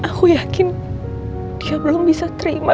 aku yakin dia belum bisa terima